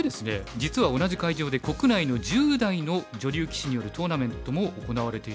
実は同じ会場で国内の１０代の女流棋士によるトーナメントも行われていたんですね。